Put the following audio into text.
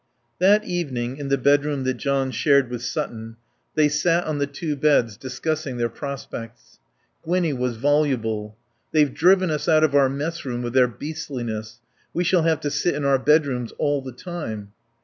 That evening, in the bedroom that John shared with Sutton, they sat on two beds, discussing their prospects. Gwinnie was voluble. "They've driven us out of our messroom with their beastliness. We shall have to sit in our bedrooms all the time."